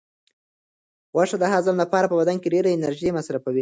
غوښه د هضم لپاره په بدن کې ډېره انرژي مصرفوي.